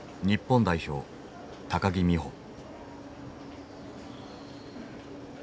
日本代表木美帆。